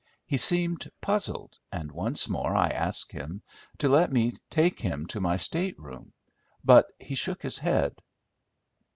He seemed puzzled, and once more I asked him to let me take him to my stateroom, but he shook his head.